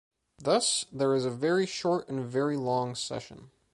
Thus, there is a very short and very long session.